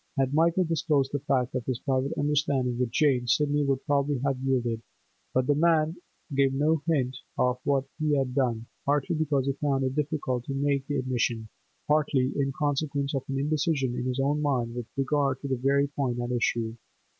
Had Michael disclosed the fact of his private understanding with Jane, Sidney would probably have yielded; but the old man gave no hint of what he had done—partly because he found it difficult to make the admission, partly in consequence of an indecision in his own mind with regard to the very point at issue.